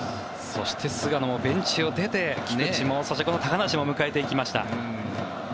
そして菅野もベンチを出て菊地も、そしてこの高梨も迎えていきました。